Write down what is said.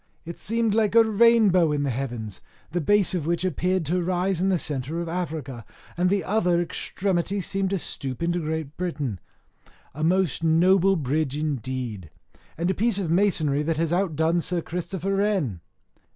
It seemed like a rainbow in the heavens, the base of which appeared to rise in the centre of Africa, and the other extremity seemed to stoop into great Britain. A most noble bridge indeed, and a piece of masonry that has outdone Sir Christopher Wren.